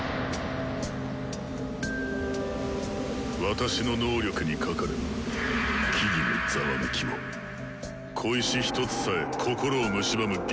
私の能力にかかれば木々のざわめきも小石１つさえ心をむしばむ幻覚となる。